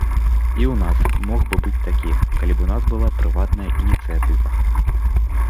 І ў нас мог бы быць такі, калі б у нас была прыватная ініцыятыва.